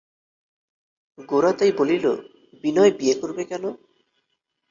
গোরা তাই বলিল, বিনয় বিয়ে করবে কেন?